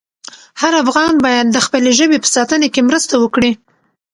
هر افغان باید د خپلې ژبې په ساتنه کې مرسته وکړي.